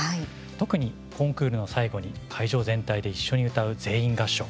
特に、コンクールの最後に会場全体で一緒に歌う全員合唱。